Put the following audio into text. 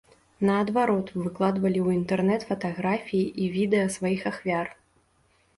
Наадварот, выкладвалі ў інтэрнэт фатаграфіі і відэа сваіх ахвяр.